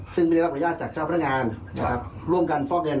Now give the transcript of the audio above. ซึ่งมีรับอุญาตจากเจ้าพนักงานร่วมกันฟอกเงิน